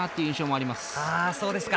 あそうですか。